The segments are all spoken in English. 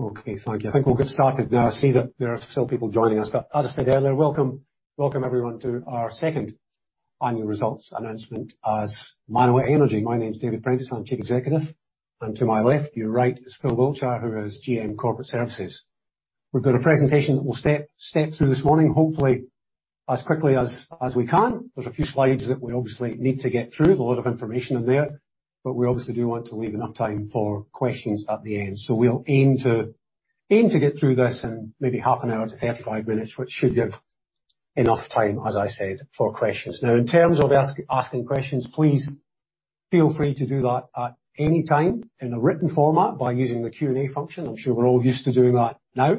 Okay, thank you. I think we'll get started now. I see that there are still people joining us, as I said earlier, welcome everyone to our second annual results announcement as Manawa Energy. My name is David Prentice, I'm Chief Executive, to my left, your right, is Phil Wiltshire, who is GM Corporate Services. We've got a presentation that we'll step through this morning, hopefully as quickly as we can. There's a few slides that we obviously need to get through. There's a lot of information in there, we obviously do want to leave enough time for questions at the end. We'll aim to get through this in maybe half an hour to 35-minutes, which should give enough time, as I said, for questions. Now, in terms of asking questions, please feel free to do that at any time in a written format by using the Q&A function. I'm sure we're all used to doing that now.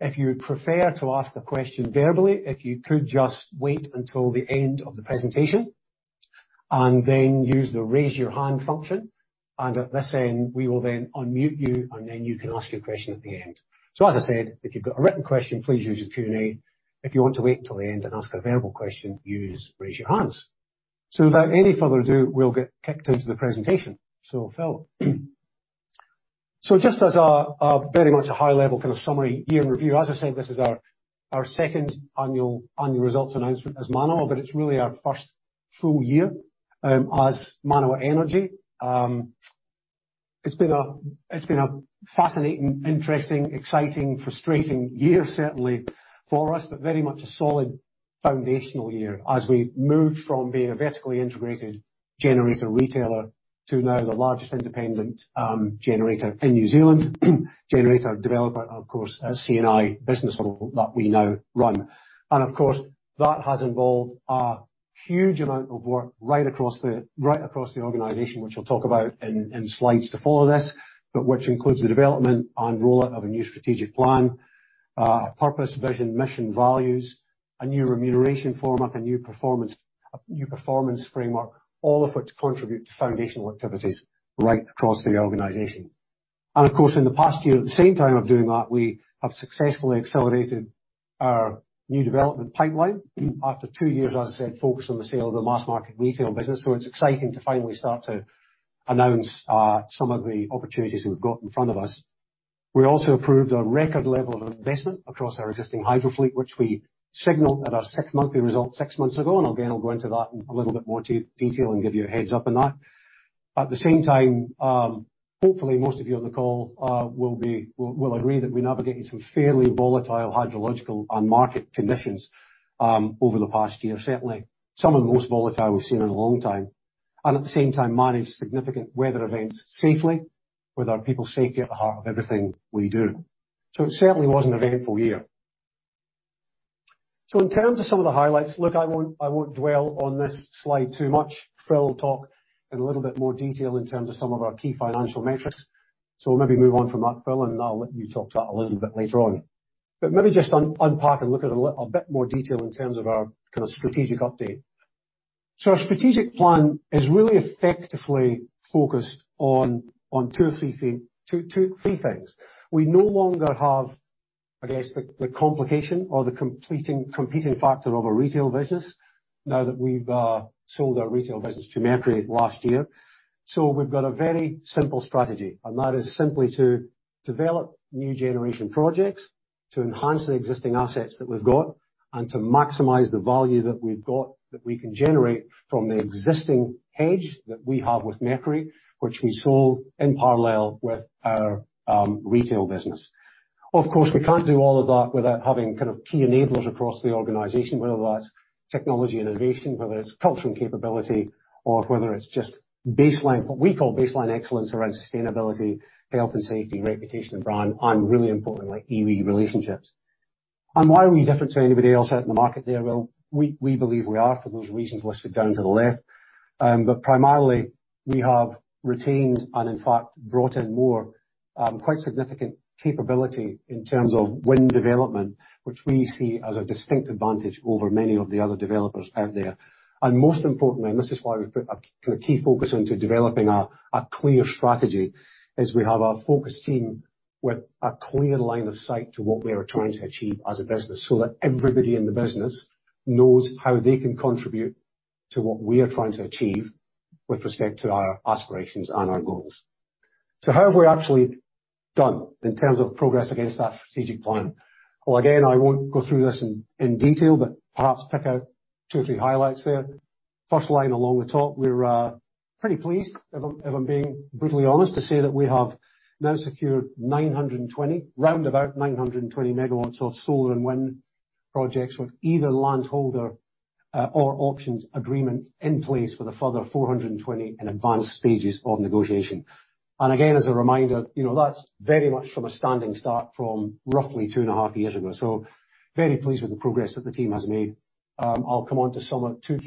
If you would prefer to ask the question verbally, if you could just wait until the end of the presentation, and then use the Raise Your Hand function. At this end, we will then unmute you, and then you can ask your question at the end. As I said, if you've got a written question, please use the Q&A. If you want to wait till the end and ask a verbal question, use Raise Your Hands. Without any further ado, we'll get kicked into the presentation. Phil. Just as our very much a high-level kind of summary year in review. As I said, this is our second annual results announcement as Manawa, but it's really our first full year as Manawa Energy. It's been a fascinating, interesting, exciting, frustrating year, certainly for us, but very much a solid foundational year as we moved from being a vertically integrated generator retailer to now the largest independent generator in New Zealand. Generator, developer, and of course, a C&I business model that we now run. Of course, that has involved a huge amount of work right across the organization, which I'll talk about in slides to follow this, but which includes the development and rollout of a new strategic plan, purpose, vision, mission, values, a new remuneration format, a new performance framework, all of which contribute to foundational activities right across the organization. Of course, in the past year, at the same time of doing that, we have successfully accelerated our new development pipeline after two years, as I said, focused on the sale of the mass market retail business. It's exciting to finally start to announce some of the opportunities we've got in front of us. We also approved a record level of investment across our existing hydro fleet, which we signaled at our six monthly results six months ago. Again, I'll go into that in a little bit more detail and give you a heads up on that. At the same time, hopefully most of you on the call will agree that we navigated some fairly volatile hydrological and market conditions over the past year. Certainly, some of the most volatile we've seen in a long time. At the same time managed significant weather events safely with our people's safety at the heart of everything we do. It certainly was an eventful year. In terms of some of the highlights, look, I won't dwell on this slide too much. Phil will talk in a little bit more detail in terms of some of our key financial metrics. Maybe move on from that, Phil, and I'll let you talk to that a little bit later on. Maybe just unpack and look at a little bit more detail in terms of our kind of strategic update. Our strategic plan is really effectively focused on two or three things. We no longer have, I guess the complication or the competing factor of a retail business now that we've sold our retail business to Mercury last year. We've got a very simple strategy, and that is simply to develop new generation projects, to enhance the existing assets that we've got, and to maximize the value that we've got that we can generate from the existing hedge that we have with Mercury, which we sold in parallel with our retail business. Of course, we can't do all of that without having kind of key enablers across the organization, whether that's technology innovation, whether it's culture and capability, or whether it's just baseline, what we call baseline excellence around sustainability, health and safety, reputation and brand, and really importantly, EV relationships. Why are we different to anybody else out in the market there? We believe we are for those reasons listed down to the left. Primarily we have retained, and in fact, brought in more quite significant capability in terms of wind development, which we see as a distinct advantage over many of the other developers out there. Most importantly, this is why we've put a key focus into developing a clear strategy, is we have a focused team with a clear line of sight to what we are trying to achieve as a business, so that everybody in the business knows how they can contribute to what we are trying to achieve with respect to our aspirations and our goals. How have we actually done in terms of progress against that strategic plan? Again, I won't go through this in detail, but perhaps pick out two or three highlights there. First line along the top, we're pretty pleased, if I'm being brutally honest, to say that we have now secured 920, round about 920 MW of solar and wind projects with either land holder, or options agreements in place with a further 420 in advanced stages of negotiation. Again, as a reminder, you know, that's very much from a standing start from roughly two and a half years ago. Very pleased with the progress that the team has made. I'll come on to two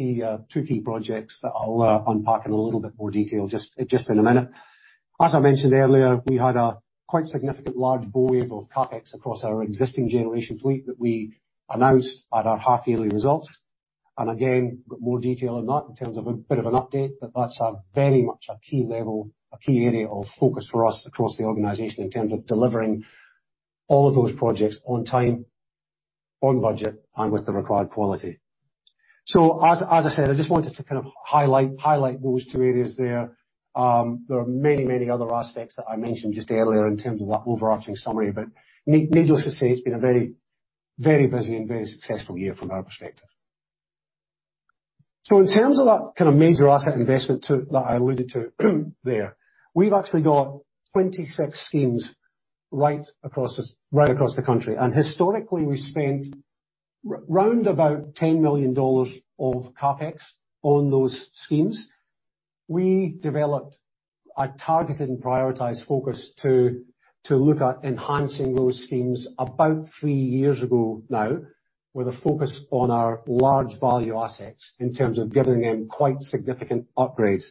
key projects that I'll unpack in a little bit more detail just in a minute. I mentioned earlier, we had a quite significant large wave of CapEx across our existing generation fleet that we announced at our half-yearly results. Got more detail on that in terms of a bit of an update, but that's a very much a key level, a key area of focus for us across the organization in terms of delivering all of those projects on time, on budget and with the required quality. As I said, I just wanted to kind of highlight those two areas there. There are many, many other aspects that I mentioned just earlier in terms of that overarching summary, but needless to say, it's been a very, very busy and very successful year from our perspective. In terms of that kind of major asset investment that I alluded to there, we've actually got 26 schemes right across the country. Historically, we spent round about 10 million dollars of CapEx on those schemes. We developed a targeted and prioritized focus to look at enhancing those schemes about three years ago now, with a focus on our large value assets in terms of giving them quite significant upgrades.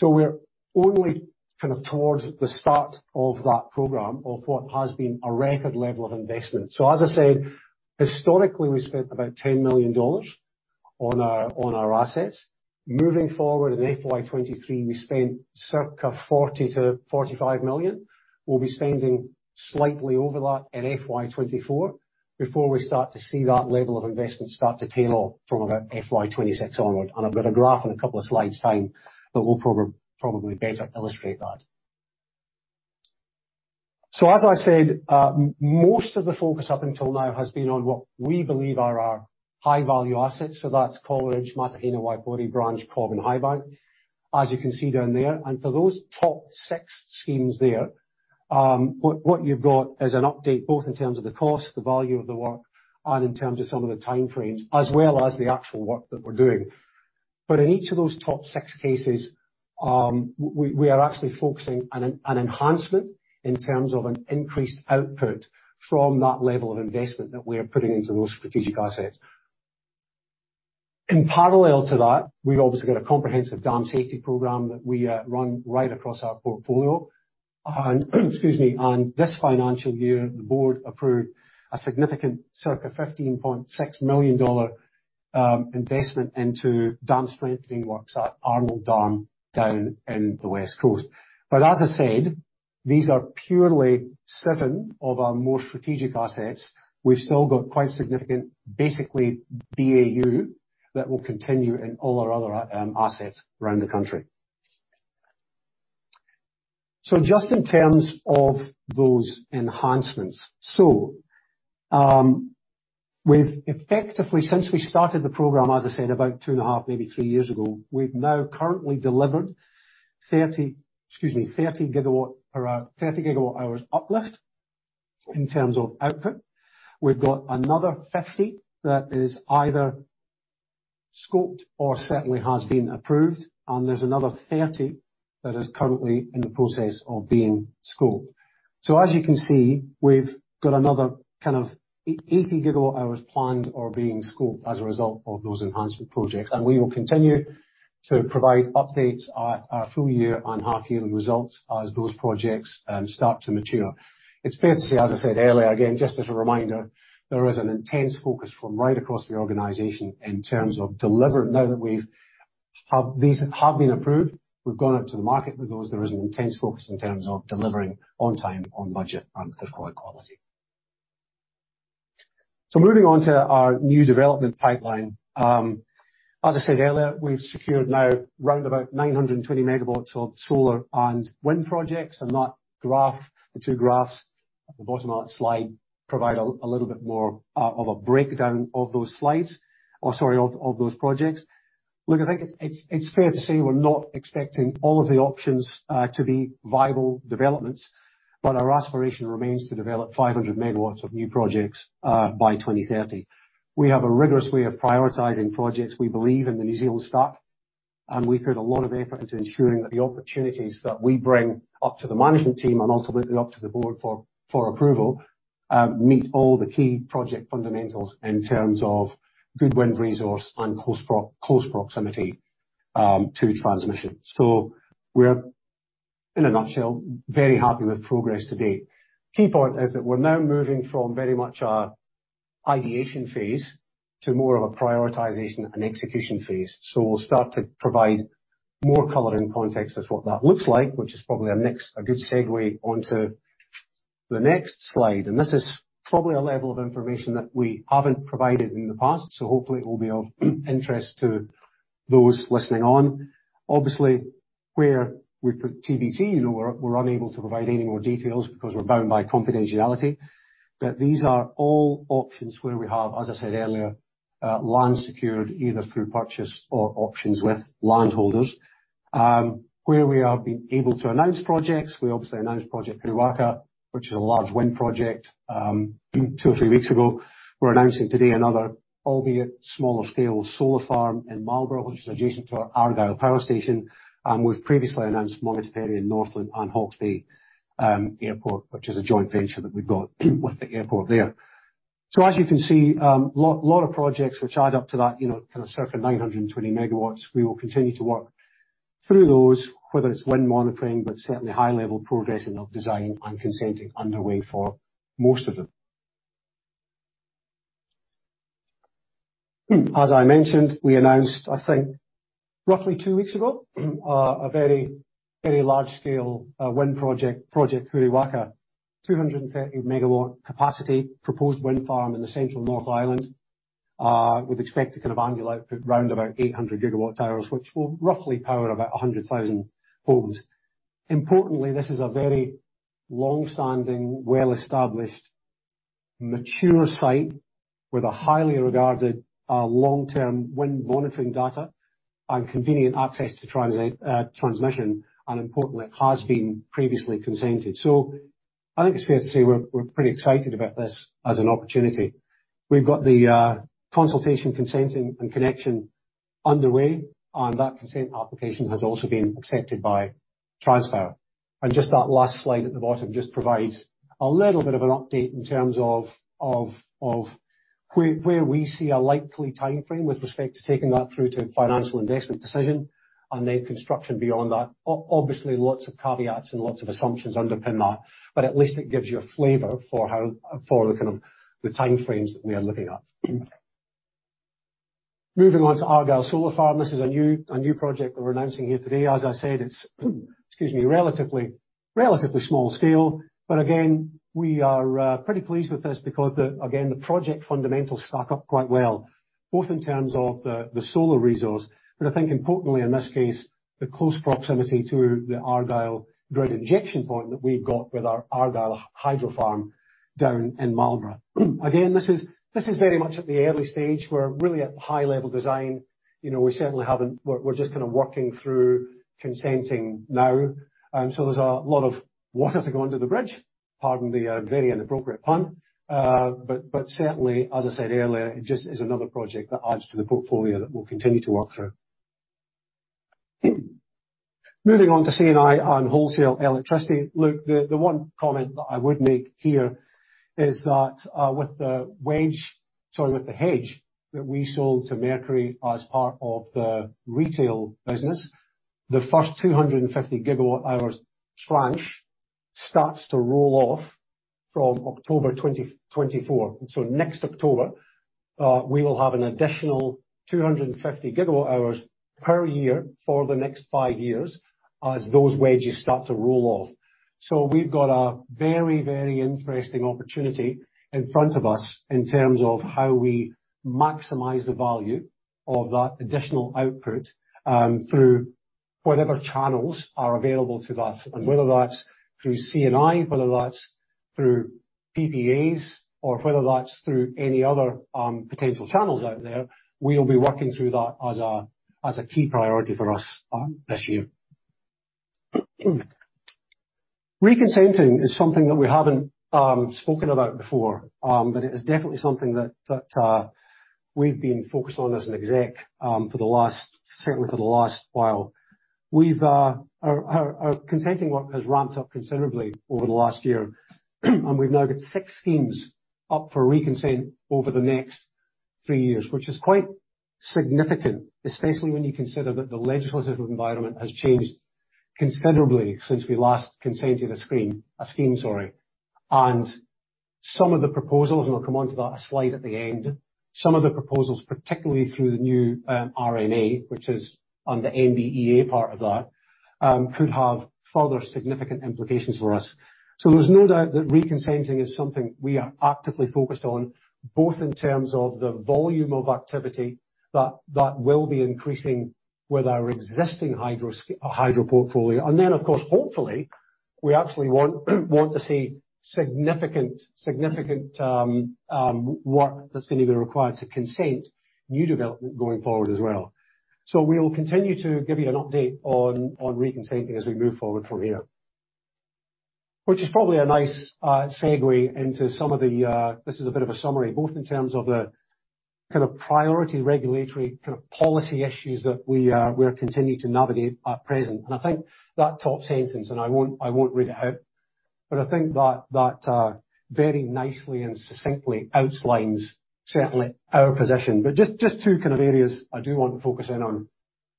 We're only kind of towards the start of that program, of what has been a record level of investment. As I said, historically, we spent about 10 million dollars on our assets. Moving forward in FY 2023, we spent circa 40 million-45 million. We'll be spending slightly over that in FY 2024 before we start to see that level of investment start to tail off from about FY 2026 onward. I've got a graph and a couple of slides behind that will probably better illustrate that. As I said, most of the focus up until now has been on what we believe are our high-value assets. That's Coleridge, Matahina, Waipori Branch, Cobb and Highbank, as you can see down there. For those top six schemes there, what you've got is an update, both in terms of the cost, the value of the work, and in terms of some of the time frames, as well as the actual work that we're doing. In each of those top six cases, we are actually focusing on an enhancement in terms of an increased output from that level of investment that we're putting into those strategic assets. In parallel to that, we've obviously got a comprehensive dam safety program that we run right across our portfolio. Excuse me, on this financial year, the board approved a significant circa $15.6 million investment into dam strengthening works at Arnold Dam down in the West Coast. As I said, these are purely seven of our more strategic assets. We've still got quite significant, basically BAU that will continue in all our other assets around the country. Just in terms of those enhancements. We've effectively, since we started the program, as I said, about 2.5, maybe three years ago, we've now currently delivered 30 gigawatt hours uplift in terms of output. We've got another 50 that is either scoped or certainly has been approved, and there's another 30 that is currently in the process of being scoped. As you can see, we've got another kind of 80 gigawatt hours planned or being scoped as a result of those enhancement projects. We will continue to provide updates at our full year and half-year results as those projects start to mature. It's fair to say, as I said earlier, again, just as a reminder, there is an intense focus from right across the organization in terms of deliver. Now that we've these have been approved, we've gone out to the market with those. There is an intense focus in terms of delivering on time, on budget, and the required quality. Moving on to our new development pipeline. As I said earlier, we've secured now round about 920 MW of solar and wind projects. That graph, the two graphs at the bottom of that slide provide a little bit more of a breakdown of those slides. Sorry, of those projects. Look, I think it's fair to say we're not expecting all of the options to be viable developments, but our aspiration remains to develop 500 megawatts of new projects by 2030. We have a rigorous way of prioritizing projects. We believe in the New Zealand stock, and we've put a lot of effort into ensuring that the opportunities that we bring up to the management team and also with it up to the board for approval, meet all the key project fundamentals in terms of good wind resource and close proximity to transmission. We're, in a nutshell, very happy with progress to date. Key point is that we're now moving from very much our ideation phase to more of a prioritization and execution phase. We'll start to provide more color and context as what that looks like, which is probably our next a good segue onto the next slide. This is probably a level of information that we haven't provided in the past, so hopefully it will be of interest to those listening on. Obviously, where we've put TBC, you know, we're unable to provide any more details because we're bound by confidentiality. These are all options where we have, as I said earlier, land secured either through purchase or options with landholders. Where we have been able to announce projects, we obviously announced Project Huriwaka, which is a large wind project, two or three weeks ago. We're announcing today another, albeit smaller scale, solar farm in Marlborough, which is adjacent to our Argyle Power Station. We've previously announced Moratorium Northland and Hawke's Bay Airport, which is a joint venture that we've got with the airport there. As you can see, a lot of projects which add up to that, you know, kind of circa 920 MW. We will continue to work through those, whether it's wind monitoring, but certainly high level progressing of design and consenting underway for most of them. As I mentioned, we announced, I think roughly two weeks ago, a very, very large scale wind project, Project Huriwaka. 230 MW capacity proposed wind farm in the central North Island, with expected kind of annual output round about 800 GWh, which will roughly power about 100,000 homes. This is a very long-standing, well-established, mature site with a highly regarded, long-term wind monitoring data and convenient access to transmission. It has been previously consented. I think it's fair to say we're pretty excited about this as an opportunity. We've got the consultation, consenting and connection underway. That consent application has also been accepted by Transpower. Just that last slide at the bottom just provides a little bit of an update in terms of where we see a likely timeframe with respect to taking that through to financial investment decision and then construction beyond that. Obviously, lots of caveats and lots of assumptions underpin that. At least it gives you a flavor for the kind of the time frames that we are looking at. Moving on to Argyle Solar Farm. This is a new project we're announcing here today. As I said, it's, excuse me, relatively small scale. Again, we are pretty pleased with this because again, the project fundamentals stack up quite well, both in terms of the solar resource, but I think importantly in this case, the close proximity to the Argyle grid injection point that we've got with our Argyle hydro farm down in Marlborough. Again, this is very much at the early stage. We're really at high-level design. You know, we're just kinda working through consenting now. There's a lot of water to go under the bridge. Pardon the very inappropriate pun. Certainly, as I said earlier, it just is another project that adds to the portfolio that we'll continue to work through. Moving on to C&I and wholesale electricity. Look, the one comment that I would make here is that, with the wedge, sorry, with the hedge that we sold to Mercury as part of the retail business, the first 250 gigawatt hours tranche starts to roll off from October 2024. Next October, we will have an additional 250 gigawatt hours per year for the next five years as those wedges start to roll off. We've got a very interesting opportunity in front of us in terms of how we maximize the value of that additional output through whatever channels are available to us. Whether that's through C&I, whether that's through PPAs or whether that's through any other potential channels out there, we'll be working through that as a key priority for us this year. Reconsenting is something that we haven't spoken about before, but it is definitely something that we've been focused on as an exec for the last, certainly for the last while. We've Our consenting work has ramped up considerably over the last year, and we've now got six schemes up for reconsent over the next three years, which is quite significant, especially when you consider that the legislative environment has changed considerably since we last consented a scheme, sorry. I'll come onto that slide at the end, some of the proposals, particularly through the new RME, which is under NBEA part of that, could have further significant implications for us. There's no doubt that reconsenting is something we are actively focused on, both in terms of the volume of activity that will be increasing with our existing hydro portfolio. Of course, hopefully, we actually want to see significant work that's gonna be required to consent new development going forward as well. We will continue to give you an update on reconsenting as we move forward from here. Which is probably a nice segue into some of the. This is a bit of a summary, both in terms of the kind of priority regulatory, kind of policy issues that we we're continuing to navigate at present. I think that top sentence, and I won't, I won't read it out, but I think that very nicely and succinctly outlines certainly our position. Just two kind of areas I do want to focus in on,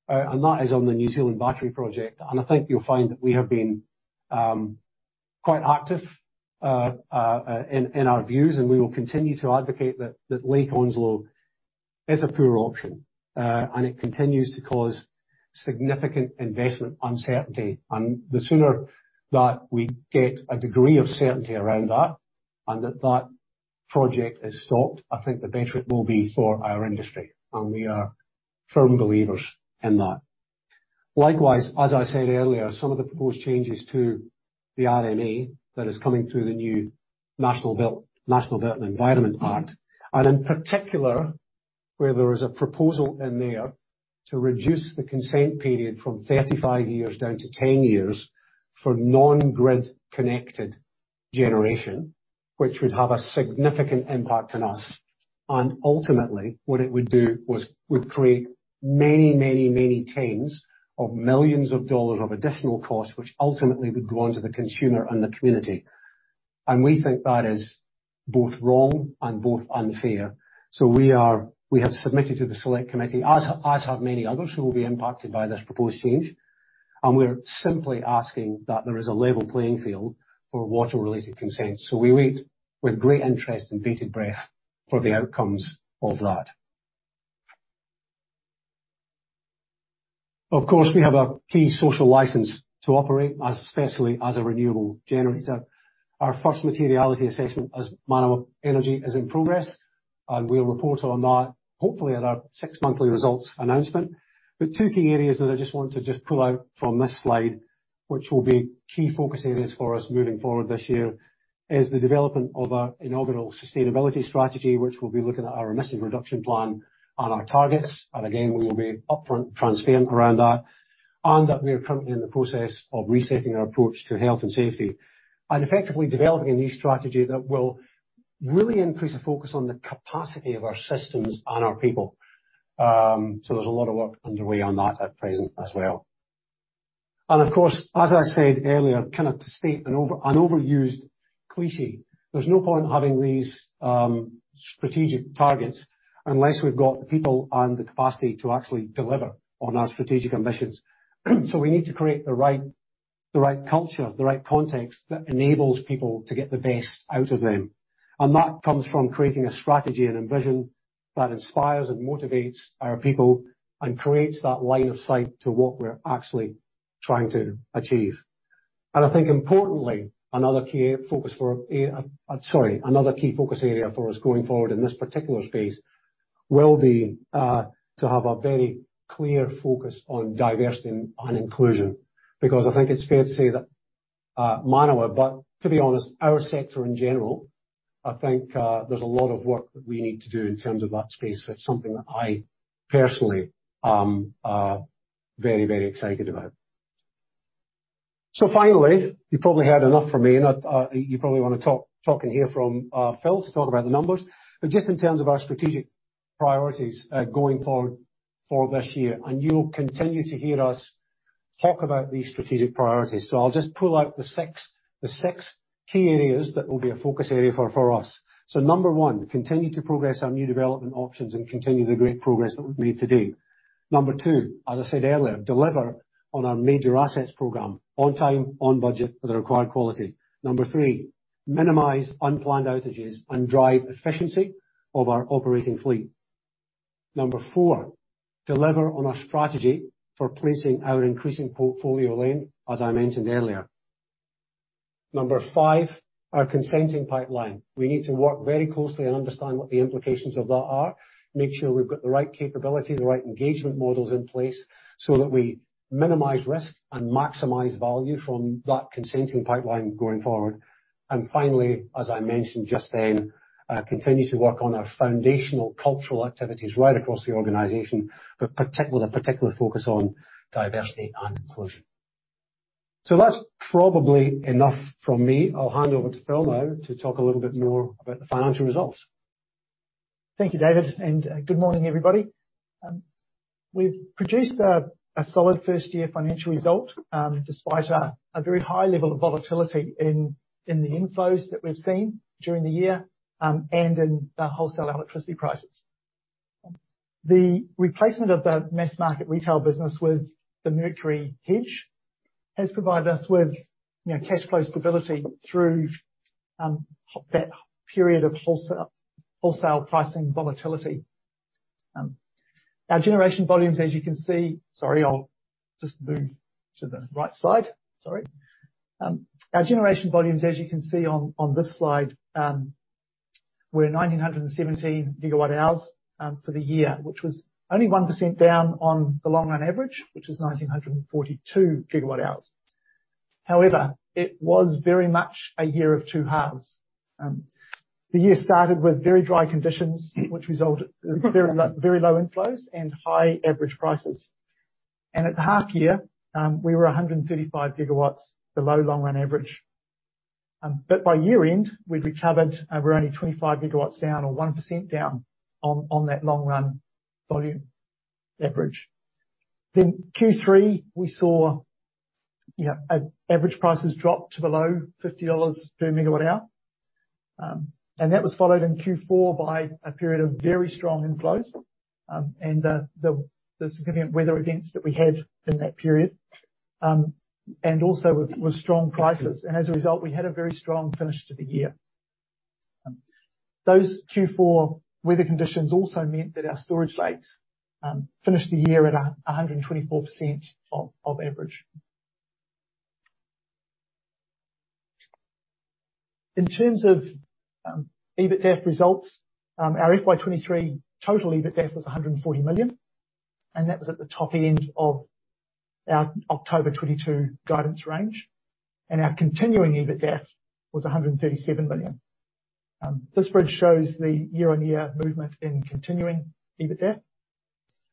and that is on the New Zealand Battery Project. I think you'll find that we have been quite active in our views, and we will continue to advocate that Lake Onslow is a poor option, and it continues to cause significant investment uncertainty. The sooner that we get a degree of certainty around that, and that that project is stopped, I think the better it will be for our industry, and we are firm believers in that. Likewise, as I said earlier, some of the proposed changes to the RMA that is coming through the new Natural and Built Environment Act, and in particular, where there is a proposal in there to reduce the consent period from 35-years down to 10-years for non-grid connected generation, which would have a significant impact on us. Ultimately, what it would do was, would create many tens of millions of NZD of additional costs, which ultimately would go on to the consumer and the community. We think that is both wrong and both unfair. We have submitted to the select committee, as have many others who will be impacted by this proposed change. We're simply asking that there is a level playing field for water-related consent. We wait with great interest and bated breath for the outcomes of that. Of course, we have a key social license to operate, especially as a renewable generator. Our first materiality assessment as Manawa Energy is in progress, and we'll report on that, hopefully at our six monthly results announcement. Two key areas that I just want to pull out from this slide, which will be key focus areas for us moving forward this year, is the development of our inaugural sustainability strategy, which we'll be looking at our emission reduction plan and our targets. Again, we will be upfront, transparent around that, and that we are currently in the process of resetting our approach to health and safety and effectively developing a new strategy that will really increase the focus on the capacity of our systems and our people. There's a lot of work underway on that at present as well. Of course, as I said earlier, kind of to state an overused cliché, there's no point in having these strategic targets unless we've got the people and the capacity to actually deliver on our strategic ambitions. We need to create the right culture, the right context that enables people to get the best out of them. That comes from creating a strategy and a vision that inspires and motivates our people and creates that line of sight to what we're actually trying to achieve. I think importantly, another key focus area for us going forward in this particular space will be to have a very clear focus on diversity and inclusion. I think it's fair to say that Manawa, but to be honest, our sector in general, I think, there's a lot of work that we need to do in terms of that space. That's something that I personally am very, very excited about. Finally, you probably had enough from me and you probably wanna talk and hear from Phil to talk about the numbers. Just in terms of our strategic priorities, going forward for this year, and you'll continue to hear us talk about these strategic priorities. I'll just pull out the six key areas that will be a focus area for us. Number one, continue to progress our new development options and continue the great progress that we've made to date. Number two, as I said earlier, deliver on our major assets program on time, on budget, with the required quality. Number three, minimize unplanned outages and drive efficiency of our operating fleet. Number four, deliver on our strategy for placing our increasing portfolio lane, as I mentioned earlier. Number five, our consenting pipeline. We need to work very closely and understand what the implications of that are. Make sure we've got the right capability, the right engagement models in place so that we minimize risk and maximize value from that consenting pipeline going forward. Finally, as I mentioned just then, continue to work on our foundational cultural activities right across the organization, but the particular focus on diversity and inclusion. That's probably enough from me. I'll hand over to Phil now to talk a little bit more about the financial results. Thank you, David, and good morning, everybody. We've produced a solid first year financial result, despite a very high level of volatility in the inflows that we've seen during the year, and in the wholesale electricity prices. The replacement of the mass market retail business with the Mercury hedge has provided us with, you know, cash flow stability through that period of wholesale pricing volatility. Our generation volumes, as you can see... Sorry, I'll just move to the right slide. Sorry. Our generation volumes, as you can see on this slide, were 1,917 gigawatt hours for the year, which was only 1% down on the long-run average, which was 1,942 gigawatt hours. It was very much a year of two halves. The year started with very dry conditions, which resulted in very low inflows and high average prices. At the half year, we were 135 gigawatts below long run average. By year-end, we'd recovered and we're only 25 gigawatts down or 1% down on that long run volume average. In Q3, we saw, you know, average prices drop to below 50 dollars per megawatt hour. That was followed in Q4 by a period of very strong inflows, and the significant weather events that we had in that period, and also with strong prices. As a result, we had a very strong finish to the year. Those Q4 weather conditions also meant that our storage lakes finished the year at 124% of average. In terms of EBITDAF results, our FY 2023 total EBITDAF was 140 million, and that was at the top end of our October 2022 guidance range, and our continuing EBITDAF was 137 million. This bridge shows the year-on-year movement in continuing EBITDAF.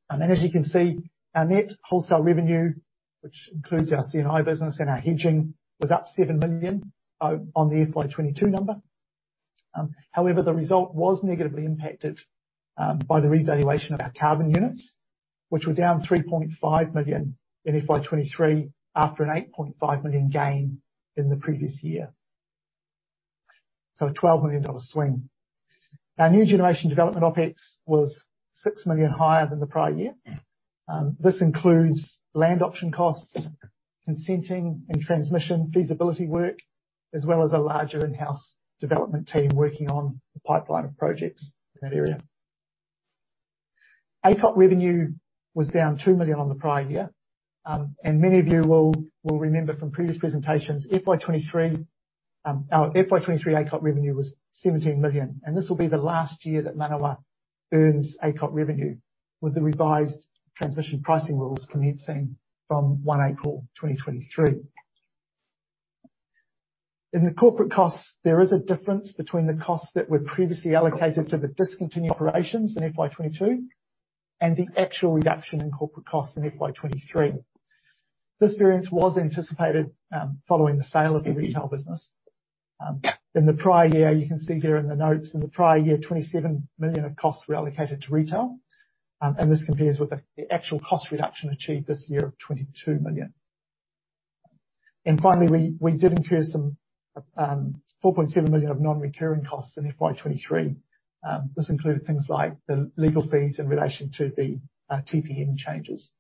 As you can see, our net wholesale revenue, which includes our C&I business and our hedging, was up 7 million on the FY 2022 number. However, the result was negatively impacted by the revaluation of our carbon units, which were down 3.5 million in FY 2023 after an 8.5 million gain in the previous year. A 12 million dollar swing. Our new generation development OpEx was 6 million higher than the prior year. This includes land option costs, consenting and transmission feasibility work, as well as a larger in-house development team working on the pipeline of projects in that area. ACOT revenue was down 2 million on the prior year. Many of you will remember from previous presentations, FY 2023, our FY 2023 ACOT revenue was 17 million, and this will be the last year that Manawa earns ACOT revenue with the revised transmission pricing rules commencing from April 1, 2023. In the corporate costs, there is a difference between the costs that were previously allocated to the discontinued operations in FY 2022 and the actual reduction in corporate costs in FY 2023. This variance was anticipated, following the sale of the retail business. In the prior year, you can see here in the notes, in the prior year, 27 million of costs were allocated to retail, and this compares with the actual cost reduction achieved this year of 22 million. Finally, we did incur some 4.7 million of non-recurring costs in FY 2023. This included things like the legal fees in relation to the TPM changes.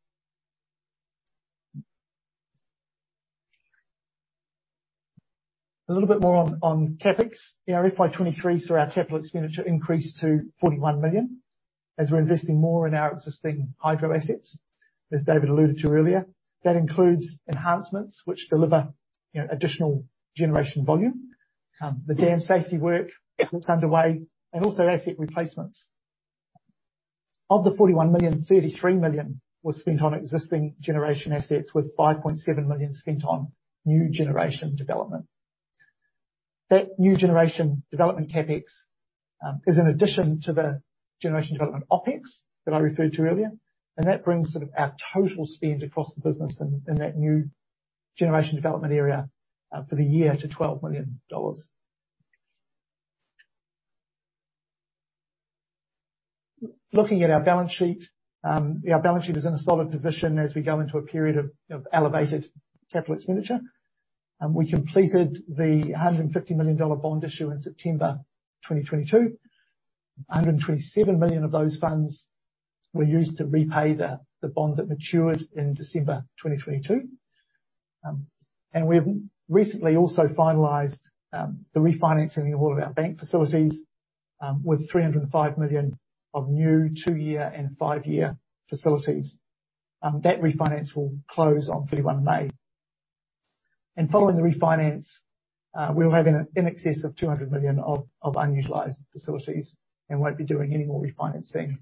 A little bit more on CapEx. In our FY 2023, our capital expenditure increased to 41 million as we're investing more in our existing hydro assets, as David alluded to earlier. That includes enhancements which deliver, you know, additional generation volume, the dam safety work that's underway, and also asset replacements. Of the 41 million, 33 million was spent on existing generation assets with 5.7 million spent on new generation development. That new generation development CapEx is in addition to the generation development OpEx that I referred to earlier, and that brings sort of our total spend across the business in that new generation development area for the year to $12 million. Looking at our balance sheet, our balance sheet is in a solid position as we go into a period of elevated capital expenditure. We completed the $150 million bond issue in September 2022. $127 million of those funds were used to repay the bond that matured in December 2022. We've recently also finalized the refinancing of all of our bank facilities with $305 million of new two year and five year facilities. That refinance will close on May 31. Following the refinance, we will have in excess of 200 million of unutilized facilities and won't be doing any more refinancing,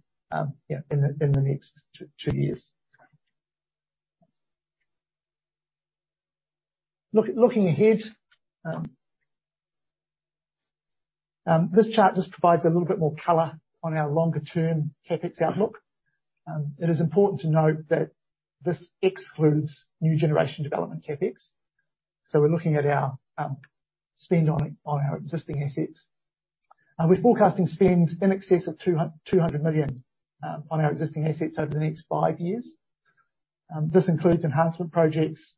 yeah, in the next two years. Looking ahead, this chart just provides a little bit more color on our longer term CapEx outlook. It is important to note that this excludes new generation development CapEx. We're looking at our spend on our existing assets. We're forecasting spend in excess of 200 million on our existing assets over the next five years. This includes enhancement projects,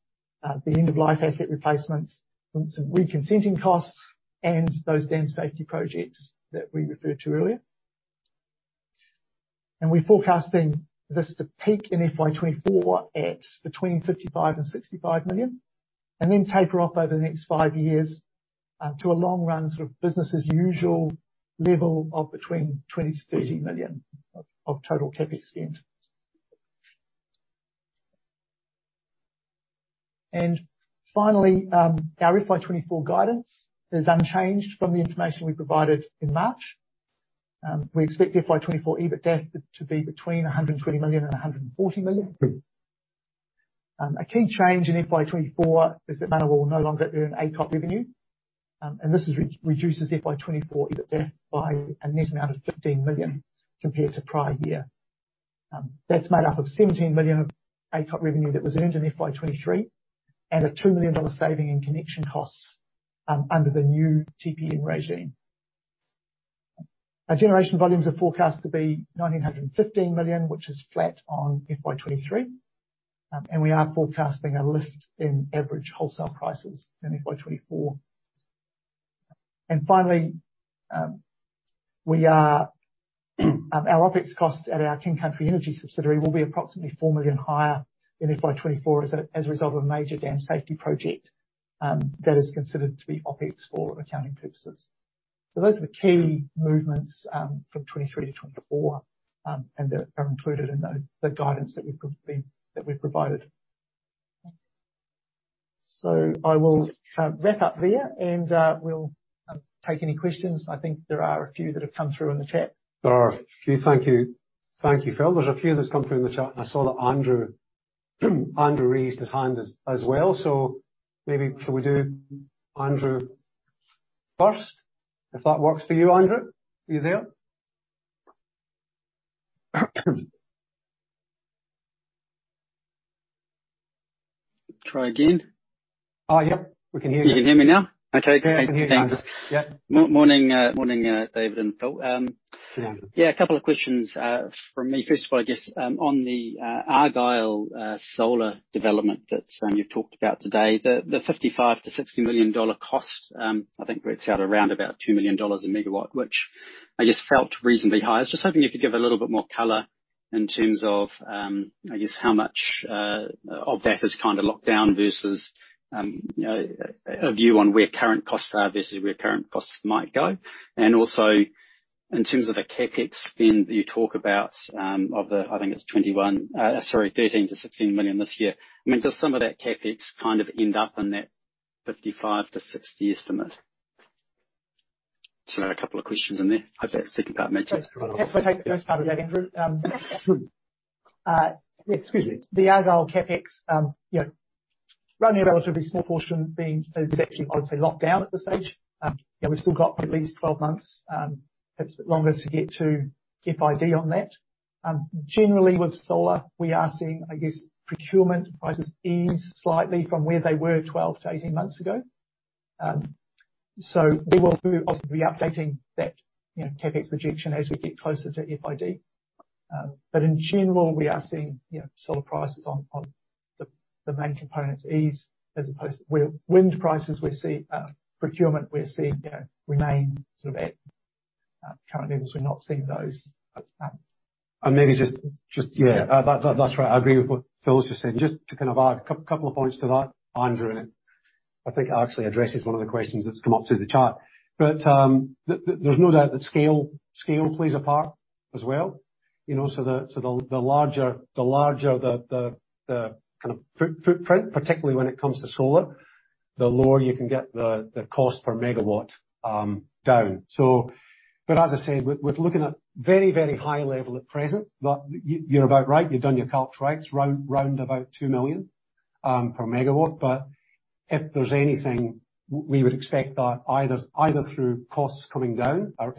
the end-of-life asset replacements, some re-consenting costs, and those dam safety projects that we referred to earlier. We're forecasting this to peak in FY 2024 at between 55 million and 65 million, and then taper off over the next five years, to a long run, sort of business as usual level of between 20 million-30 million of total CapEx spend. Finally, our FY 2024 guidance is unchanged from the information we provided in March. We expect FY 2024 EBITDAF to be between 120 million and 140 million. A key change in FY 2024 is that Manawa will no longer earn ACOT revenue, and this reduces FY 2024 EBITDAF by a net amount of 15 million compared to prior year. That's made up of 17 million of ACOT revenue that was earned in FY 2023 and a 2 million dollar saving in connection costs, under the new TPM regime. Our generation volumes are forecast to be 1,915 million, which is flat on FY 2023. We are forecasting a lift in average wholesale prices in FY 2024. Finally, our OpEx costs at our King Country Energy subsidiary will be approximately 4 million higher in FY 2024 as a result of a major dam safety project that is considered to be OpEx for accounting purposes. Those are the key movements from 2023-2024, and they are included in the guidance that we've provided. I will wrap up there, and we'll take any questions. I think there are a few that have come through in the chat. There are a few. Thank you. Thank you, Phil. There's a few that's come through in the chat, and I saw that Andrew raised his hand as well. Maybe shall we do Andrew first, if that works for you, Andrew? Are you there? Try again. Oh, yep, we can hear you. You can hear me now? Okay. We can hear you now. Thanks. Yeah. Morning, David and Phil. Yeah, a couple of questions from me. First of all, just on the Argyle Solar development that you've talked about today. The 55 million-60 million dollar cost, I think works out around about 2 million dollars a megawatt, which I just felt reasonably high. I was just hoping you could give a little bit more color in terms of, I guess, how much of that is kinda locked down versus a view on where current costs are versus where current costs might go. Also, in terms of the CapEx spend that you talk about, of the, I think it's 21, sorry, 13 million-16 million this year. I mean, does some of that CapEx kind of end up in that 55-60 estimate? Sorry, a couple of questions in there. Hope that second part makes sense. If I take the first part of that, Andrew. Excuse me. The Argyle CapEx, only a relatively small portion is actually, I would say, locked down at this stage. We've still got at least 12 months, perhaps longer to get to FID on that. Generally with solar, we are seeing, I guess, procurement prices ease slightly from where they were 12-18 months ago. We will be often re-updating that, you know, CapEx projection as we get closer to FID. In general, we are seeing, you know, solar prices on the main components ease as opposed to Wind prices, we're seeing procurement remain sort of at current levels. We're not seeing those. Maybe just, yeah. That's right. I agree with what Phil's just said. Just to kind of add a couple of points to that, Andrew, I think actually addresses one of the questions that's come up through the chat. There's no doubt that scale plays a part as well. You know, the larger the kind of footprint, particularly when it comes to solar, the lower you can get the cost per megawatt down. As I said, we're looking at very, very high level at present. Like, you're about right. You've done your calc right. It's around about $2 million per megawatt. if there's anything, we would expect that either through costs coming down, our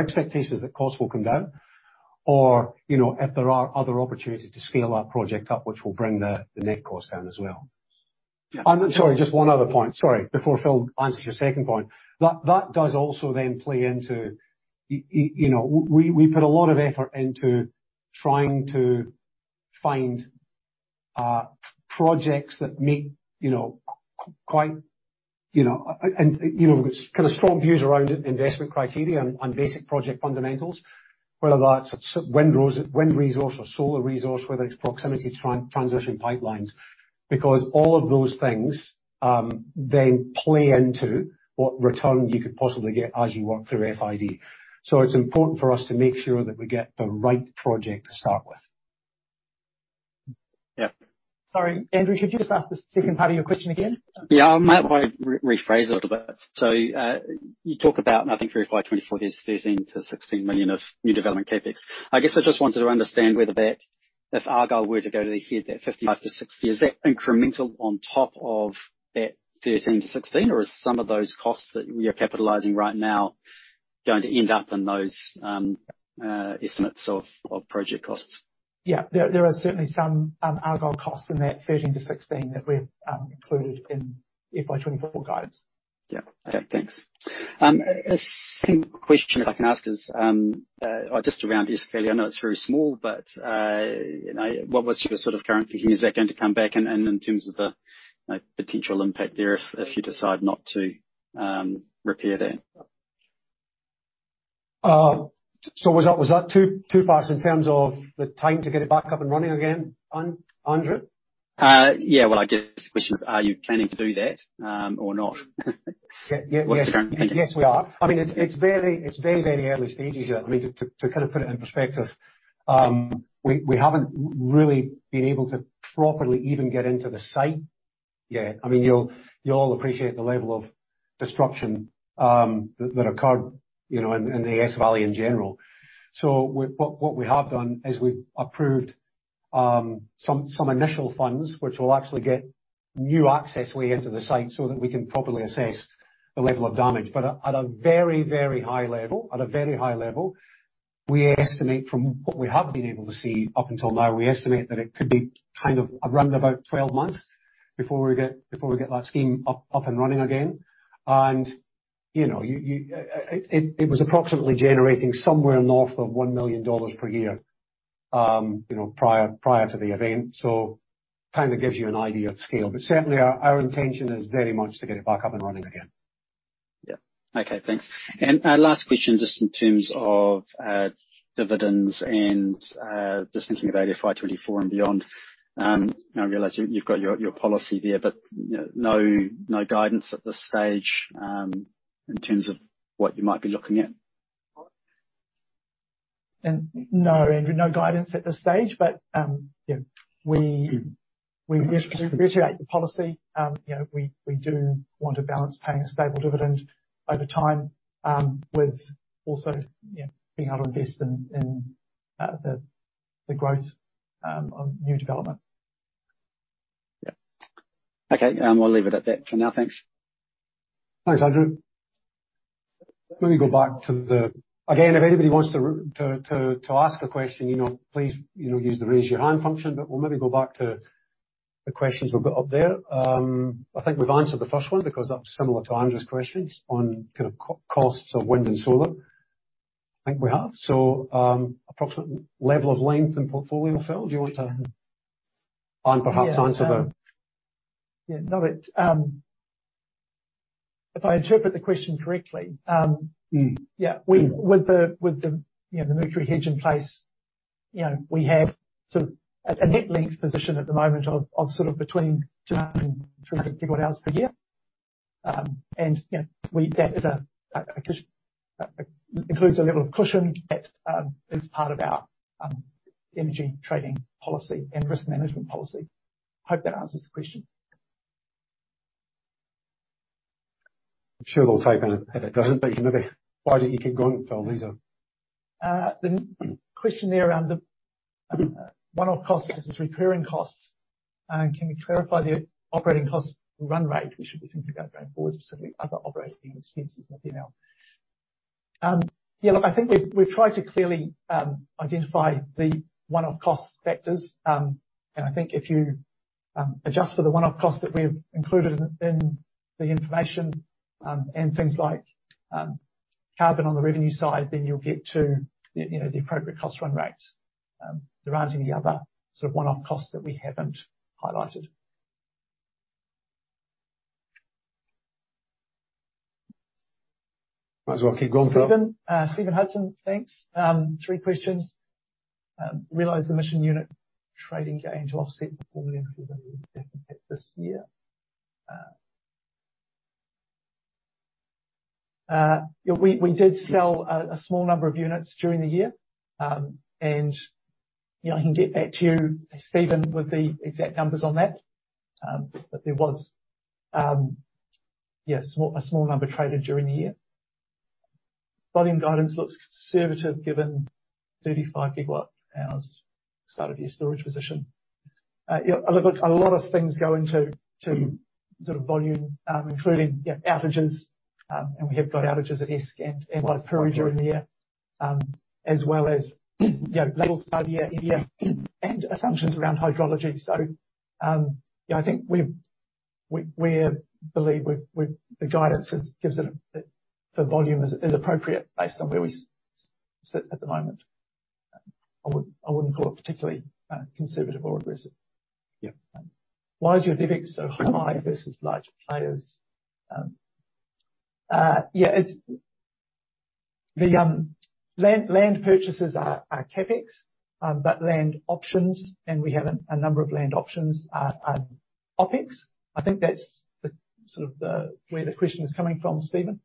expectation is that costs will come down or, you know, if there are other opportunities to scale that project up, which will bring the net cost down as well. Yeah. Sorry, just one other point. Sorry. Before Phil answers your second point. That does also then play into, you know. We put a lot of effort into trying to find projects that meet, you know, quite, you know, and, you know, kind of strong views around investment criteria on basic project fundamentals, whether that's wind resource or solar resource, whether it's proximity to transition pipelines, because all of those things then play into what return you could possibly get as you work through FID. It's important for us to make sure that we get the right project to start with. Yeah. Sorry, Andrew, could you just ask the second part of your question again? Yeah. I might re-rephrase it a little bit. You talk about, and I think for FY 2024, there's 13 million-16 million of new development CapEx. I guess I just wanted to understand whether that, if Argyle were to go ahead, that 55 million-60 million, is that incremental on top of that 13 million-16 million, or is some of those costs that we are capitalizing right now going to end up in those estimates of project costs? There are certainly some Argyle costs in that 13-16 that we've included in FY 2024 guidance. Okay. Thanks. A second question, if I can ask, is just around Eskdale. I know it's very small, but, you know, what was your sort of current view? Is that going to come back in terms of the, you know, potential impact there if you decide not to repair that? was that two parts in terms of the time to get it back up and running again, Andrew? Yeah. I guess the question is, are you planning to do that, or not? Yeah. Yeah. What's your current thinking? Yes, we are. I mean, it's very, very early stages yet. I mean, to kind of put it in perspective, we haven't really been able to properly even get into the site yet. I mean, you'll appreciate the level of destruction that occurred, you know, in the Esk Valley in general. What we have done is we've approved some initial funds, which will actually get new access way into the site so that we can properly assess the level of damage. At a very, very high level, we estimate from what we have been able to see up until now, we estimate that it could be kind of around about 12-months before we get that scheme up and running again. You know, you it was approximately generating somewhere north of 1 million dollars per year, you know, prior to the event. Kinda gives you an idea of scale. Certainly our intention is very much to get it back up and running again. Yeah. Okay. Thanks. A last question, just in terms of dividends and just thinking of FY 2024 and beyond. I realize you've got your policy there, but, you know, no guidance at this stage, in terms of what you might be looking at? No, Andrew, no guidance at this stage, but, yeah, we reiterate the policy. You know, we do want to balance paying a stable dividend over time, with also, you know, being able to invest in the growth of new development. Yeah. Okay. I'll leave it at that for now. Thanks. Thanks, Andrew. Let me go back. Again, if anybody wants to ask a question, you know, please, you know, use the Raise Your Hand function. We'll maybe go back to The questions we've got up there. I think we've answered the first one because that's similar to Andrew's questions on kind of co-costs of wind and solar. I think we have. Approximate level of length in portfolio, Phil, do you want to? Um- perhaps answer the-. Yeah, no, it's, if I interpret the question correctly. Mm. Yeah. with the, you know, the vanilla hedge in place, you know, we have sort of a net length position at the moment of sort of between 200 and 300 gigawatts per year. you know, that is a includes a level of cushion that is part of our energy trading policy and risk management policy. Hope that answers the question. I'm sure they'll type in if it doesn't, but you can look at... Why don't you keep going, Phil? The question there around the one-off costs versus recurring costs, and can we clarify the operating cost run rate we should be thinking about going forward, specifically other operating expenses looking out? Yeah, look, I think we've tried to clearly identify the one-off cost factors. I think if you adjust for the one-off costs that we've included in the information, and things like carbon on the revenue side, then you'll get to the, you know, the appropriate cost run rates. There aren't any other sort of one-off costs that we haven't highlighted. Might as well keep going, Phil. Stephen Hudson, thanks. three questions. Realize the mission unit trading gain to offset the full year impact this year. We did sell a small number of units during the year. You know, I can get back to you, Stephen, with the exact numbers on that. There was a small number traded during the year. Volume guidance looks conservative given 35 gigawatt hours start of year storage position. A lot of things go into sort of volume, including outages, and we have got outages at Esk and like Piriaka during the year, as well as, you know, levels of year and assumptions around hydrology. I think we're believe the guidance is gives it a for volume is appropriate based on where we sit at the moment. I wouldn't call it particularly conservative or aggressive. Yeah. Why is your CapEx so high versus large players? It's the land purchases are CapEx, but land options, and we have a number of land options are OpEx. I think that's the sort of where the question is coming from, Stephen.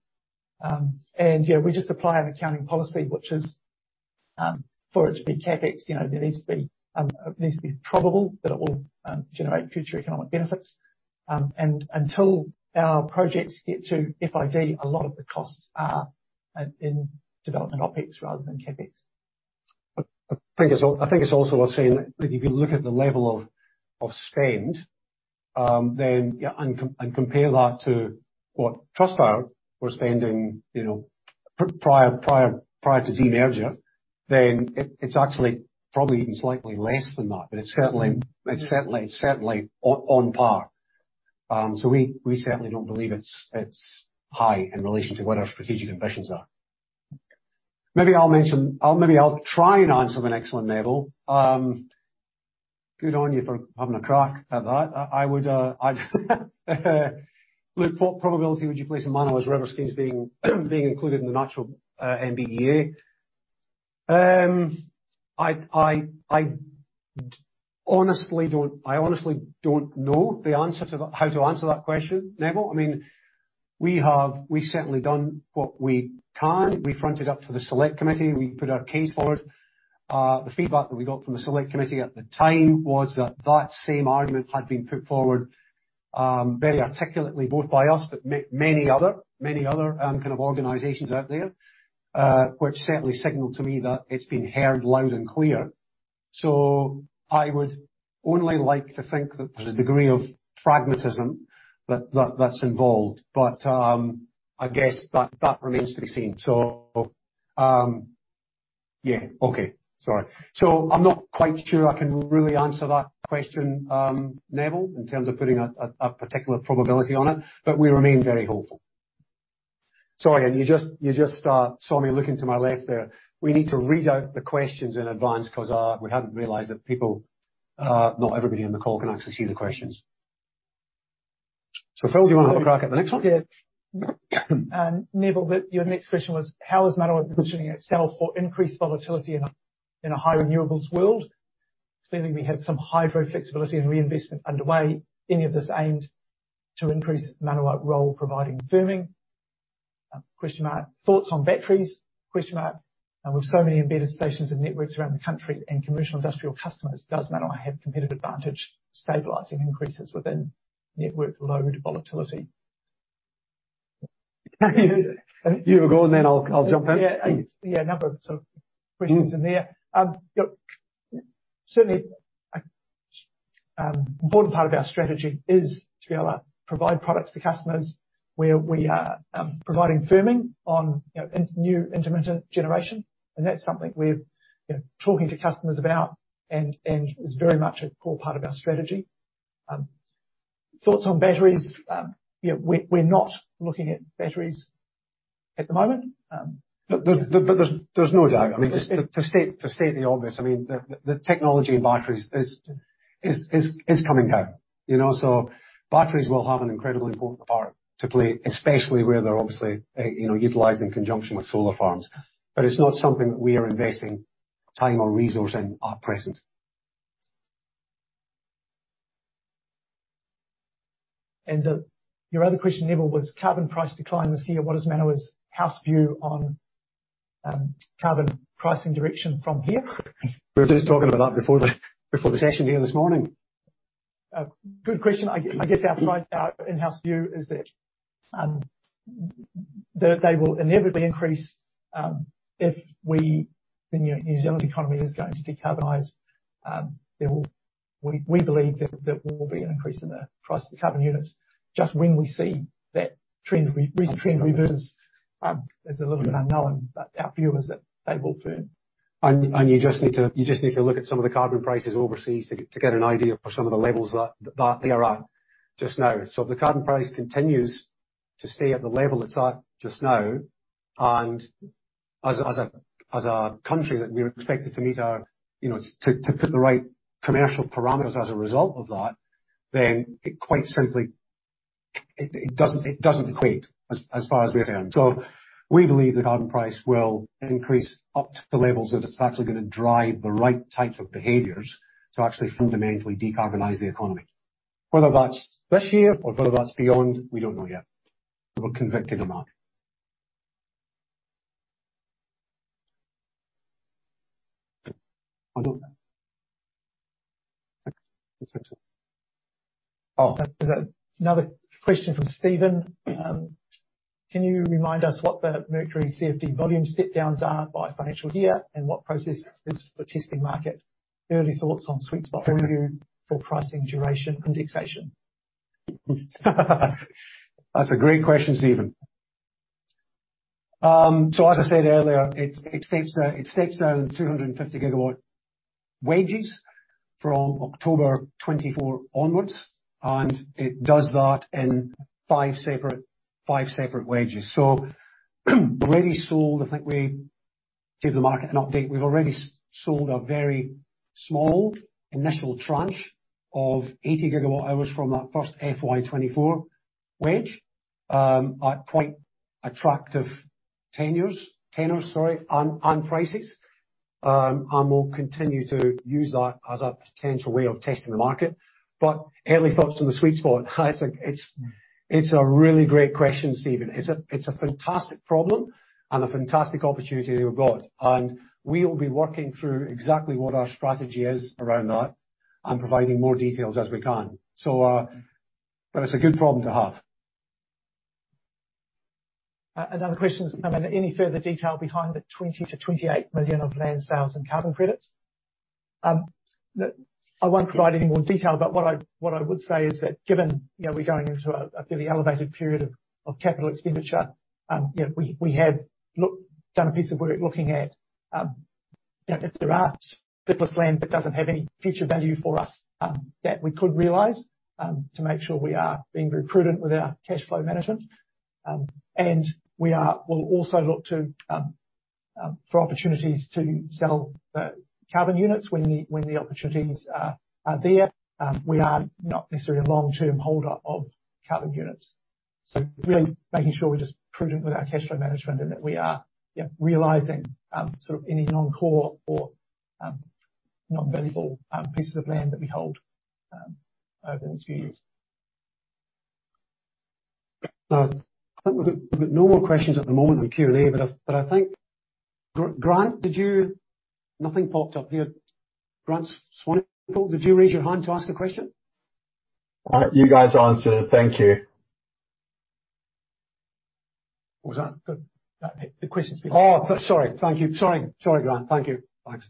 We just apply an accounting policy, which is for it to be CapEx, you know, there needs to be, it needs to be probable that it will generate future economic benefits. Until our projects get to FID, a lot of the costs are in development OpEx rather than CapEx. I think it's also worth saying that if you look at the level of spend, then, yeah, and compare that to what Trustpower were spending, you know, prior to demerger, then it's actually probably even slightly less than that, but it's certainly on par. So we certainly don't believe it's high in relation to what our strategic ambitions are. Maybe I'll try and answer the next one, Neville. Good on you for having a crack at that. I would Look, what probability would you place in Manawa Energy's river schemes being included in the natural NBEA? I honestly don't know how to answer that question, Neville. I mean, we've certainly done what we can. We fronted up to the select committee. We put our case forward. The feedback that we got from the select committee at the time was that same argument had been put forward, very articulately, both by us, but many other, kind of organizations out there, which certainly signaled to me that it's been heard loud and clear. I would only like to think that there's a degree of pragmatism that's involved. I guess that remains to be seen. Yeah. Okay. Sorry. I'm not quite sure I can really answer that question, Neville, in terms of putting a particular probability on it, but we remain very hopeful. Sorry, you just saw me looking to my left there. We need to read out the questions in advance 'cause, we hadn't realized that people, not everybody on the call can actually see the questions. Phil, do you wanna have a crack at the next one? Yeah. Neville, your next question was, how is Manawa Energy positioning itself for increased volatility in a high renewables world? Clearly, we have some hydro flexibility and reinvestment underway. Any of this aimed to increase Manawa Energy role providing firming? Thoughts on batteries? With so many embedded stations and networks around the country and commercial industrial customers, does Manawa Energy have competitive advantage stabilizing increases within network load volatility? You have a go, and then I'll jump in. Yeah. Yeah, a number of sort of questions in there. Look, certainly, important part of our strategy is to be able to provide products to customers where we are, providing firming on, you know, in-new intermittent generation. That's something we're, you know, talking to customers about and is very much a core part of our strategy. Thoughts on batteries, you know, we're not looking at batteries at the moment. There's no doubt. I mean, just to state the obvious, I mean, the technology in batteries is coming home. You know? Batteries will have an incredibly important part to play, especially where they're obviously, you know, utilized in conjunction with solar farms. It's not something that we are investing time or resource in at present. Your other question, Neville, was carbon price declines this year. What is Manawa's house view on carbon pricing direction from here? We were just talking about that before the session here this morning. Good question. I guess our price, our in-house view is that they will inevitably increase if the New Zealand economy is going to decarbonize. We believe that there will be an increase in the price of carbon units. Just when we see that recent trend reverses is a little bit unknown. Our view is that they will turn. You just need to look at some of the carbon prices overseas to get an idea of some of the levels that they are at just now. If the carbon price continues to stay at the level it's at just now, and as a country, that we're expected to meet our, you know, to put the right commercial parameters as a result of that, then it quite simply. It doesn't equate, as far as we're saying. We believe the carbon price will increase up to the levels that it's actually gonna drive the right types of behaviors to actually fundamentally decarbonize the economy. Whether that's this year or whether that's beyond, we don't know yet. We're convicted on that. Another question from Stephen, can you remind us what the Mercury CFD volume step downs are by financial year, and what process is for testing market? Early thoughts on sweet spot for review for pricing duration indexation? That's a great question, Stephen. As I said earlier, it steps down 250 gigawatt wages from October 2024 onwards, and it does that in five separate wages. Already sold, I think we gave the market an update. We've already sold a very small initial tranche of 80 gigawatt hours from that first FY 2024 wage at quite attractive tenures, tenors, sorry, on prices. We'll continue to use that as a potential way of testing the market. Early thoughts on the sweet spot. It's a really great question, Stephen. It's a fantastic problem and a fantastic opportunity we've got. We will be working through exactly what our strategy is around that and providing more details as we can. It's a good problem to have. Another question has come in. Any further detail behind the 20 million-28 million of land sales and carbon credits? I won't provide any more detail, but what I would say is that given, you know, we're going into a fairly elevated period of capital expenditure, you know, we have done a piece of work looking at, you know, if there are bit less land that doesn't have any future value for us, that we could realize, to make sure we are being very prudent with our cash flow management. We'll also look to for opportunities to sell carbon units when the opportunities are there. We are not necessarily a long-term holder of carbon units. really making sure we're just prudent with our cash flow management and that we are, yeah, realizing, sort of any non-core or non-valuable pieces of land that we hold, over the next few years. I think we've got no more questions at the moment on Q&A. I think. Grant, Nothing popped up here. Grant Swanepoel, did you raise your hand to ask a question? You guys answered. Thank you. What was that? The question's been answered. Oh, sorry. Thank you. Sorry, Grant. Thank you. Thanks.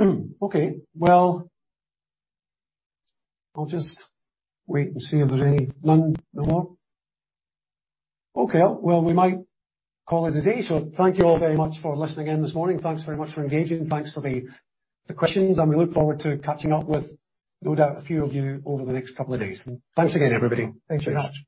Okay. I'll just wait and see if there's any... None? No more? Okay. We might call it a day. Thank you all very much for listening in this morning. Thanks very much for engaging. Thanks for the questions, we look forward to catching up with, no doubt, a few of you over the next couple of days. Thanks again, everybody. Thanks very much.